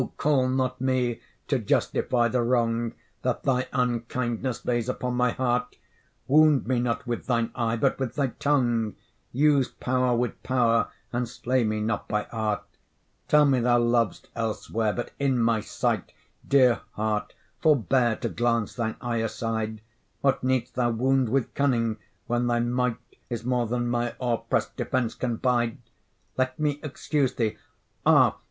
call not me to justify the wrong That thy unkindness lays upon my heart; Wound me not with thine eye, but with thy tongue: Use power with power, and slay me not by art, Tell me thou lov'st elsewhere; but in my sight, Dear heart, forbear to glance thine eye aside: What need'st thou wound with cunning, when thy might Is more than my o'erpress'd defence can bide? Let me excuse thee: ah!